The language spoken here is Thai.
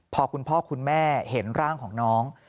พอคุณพ่อคุณแม่เห็นร่างของน้อง